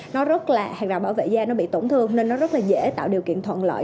nó rất là hài và bảo vệ da nó bị tổn thương nên nó rất là dễ tạo điều kiện thuận lợi